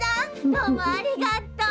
どうもありがとう。